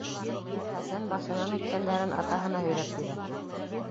Хәсән башынан үткәндәрен атаһына һөйләп бирә: